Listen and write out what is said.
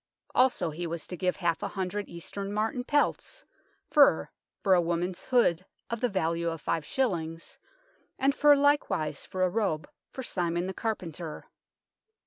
also he was to give half a hundred Eastern martin pelts, fur for a woman's hood of the value of five shillings, and fur likewise for a robe for Simon the carpenter.